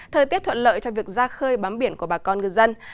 thời tiết thuận lợi cho việc ra khơi bám biển của bà con ngư dân